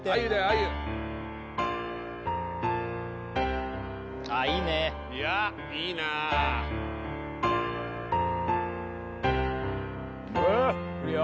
ａｙｕあっいいねいやいいな・くるよ・